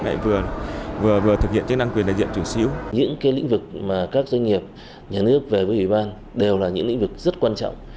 những cái lĩnh vực mà các doanh nghiệp nhà nước về với ủy ban đều là những lĩnh vực rất quan trọng